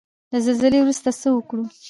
له زلزلې وروسته څه وکړو؟